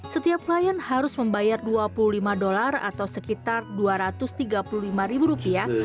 setiap klien harus membayar dua puluh lima dolar atau sekitar dua ratus tiga puluh lima ribu rupiah